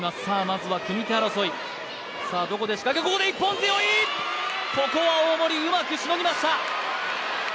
まずは組み手争いさあどこで仕掛けるここで一本背負いここは大森うまくしのぎました